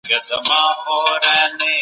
په بازارونو کي باید غلا بنده سي.